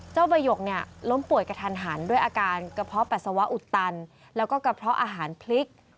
ใบหกเนี่ยล้มป่วยกระทันหันด้วยอาการกระเพาะปัสสาวะอุดตันแล้วก็กระเพาะอาหารพริก